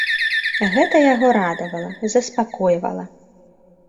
Гэта яго радавала, заспакойвала.